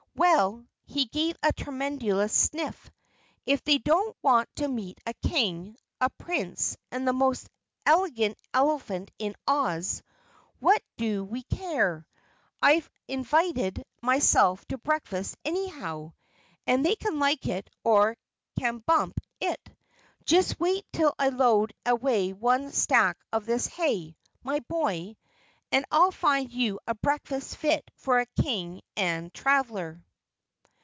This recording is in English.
"Well," he gave a tremendous sniff, "if they don't want to meet a King, a Prince and the most elegant elephant in Oz, what do we care? I've invited myself to breakfast anyhow, and they can like it or Kabump it. Just wait till I load away one stack of this hay, my boy, and I'll find you a breakfast fit for a King and Traveler."